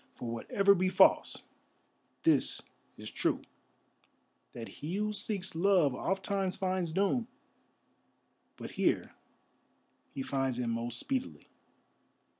For whatever be false, this is true, that he who seeks love ofttimes finds doom. But here he finds it most speedily."